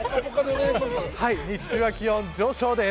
日中は気温上昇です。